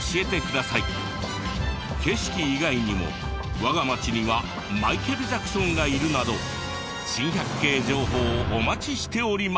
景色以外にも「我が町にはマイケル・ジャクソンがいる」など珍百景情報をお待ちしております。